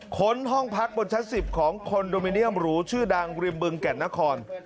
ค้นห้องพักบนชั้น๑๐ของคอนโดมิเนียมหรูชื่อดังริมบึงแก่นนคร